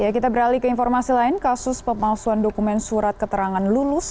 kita beralih ke informasi lain kasus pemalsuan dokumen surat keterangan lulus